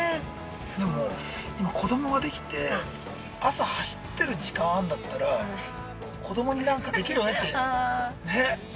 でも、今、子供ができて朝走ってる時間あんだったら子供になんかできるねって。